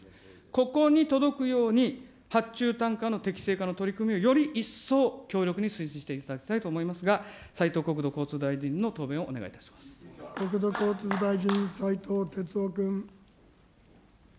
ここに届くように発注単価の適正化の取り組みをより一層強力に推進していただきたいと思いますが、斉藤国土交通大臣の答弁をお願い国土交通大臣、斉藤鉄夫君。